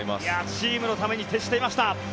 チームのために徹していました。